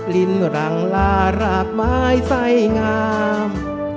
ลิ้นหลังลาราบไม้ใส่งาม